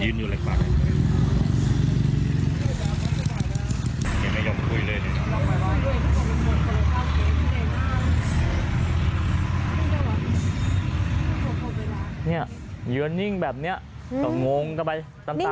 เนี่ยเยือนนิ่งแบบนี้ก็งงกับไปตามกัน